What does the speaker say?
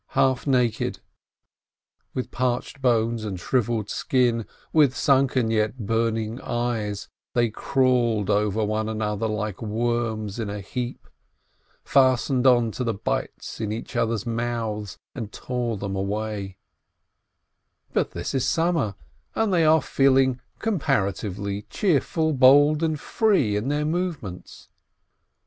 Half naked, with parched bones and shrivelled skin, with sunken yet burning eyes, they crawled over one another like worms in a heap, fastened on to the bites in each other's mouth, and tore them away — But this is summer, and they are feeling compara tively cheerful, bold, and free in their movements.